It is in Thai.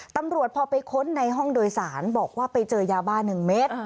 ตำรวจพอไปค้นในห้องโดยสารบอกว่าไปเจอยาบ้า๑เมตร